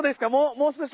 もう少し？